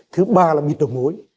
thứ ba là bị đồng hối